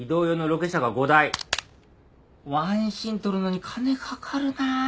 ワンシーン撮るのに金掛かるなぁ。